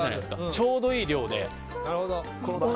ちょうどいい量で。